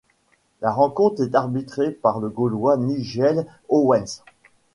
La rencontre est arbitrée par le Gallois Nigel Owens.